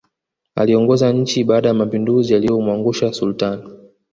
Aliongoza nchi baada ya mapinduzi yaliyomwangusha Sultani